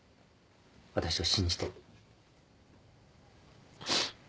私を信じて